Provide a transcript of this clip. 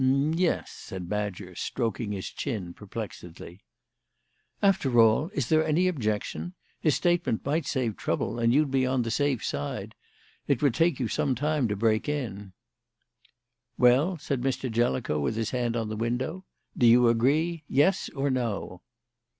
"M'yes," said Badger, stroking his chin perplexedly. "After all, is there any objection? His statement might save trouble, and you'd be on the safe side. It would take you some time to break in." "Well," said Mr. Jellicoe, with his hand on the window, "do you agree yes or no?"